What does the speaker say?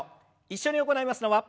一緒に行いますのは。